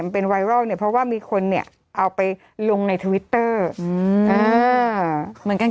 จริงจริงจริงแผนก็เป็นไวรัลเนี้ยเพราะว่ามีคนเนี้ยเอาไปลงในทวิตเตอร์อืม